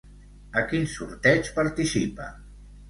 A quin sorteig participa?